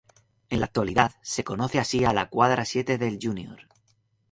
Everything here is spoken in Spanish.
En la actualidad se conoce así a la cuadra siete del Jr.